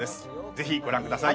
ぜひご覧ください。